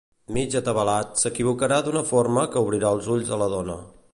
Mig atabalat, s'equivocarà d'una forma que obrirà els ulls a la dona.